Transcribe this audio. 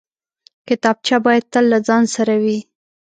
کتابچه باید تل له ځان سره وي